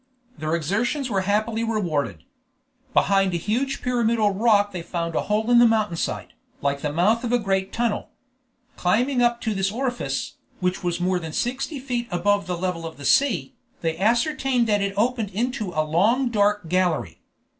Their exertions were happily rewarded. Behind a huge pyramidal rock they found a hole in the mountain side, like the mouth of a great tunnel. Climbing up to this orifice, which was more than sixty feet above the level of the sea, they ascertained that it opened into a long dark gallery.